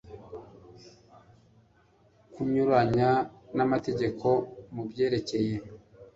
kunyuranya n amategeko mu byerekeye